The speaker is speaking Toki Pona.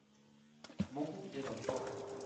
moku li lon poka.